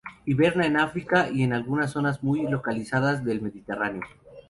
Inverna en África y en algunas zonas muy localizadas del Mediterráneo.